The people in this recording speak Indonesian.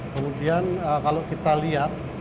kemudian kalau kita lihat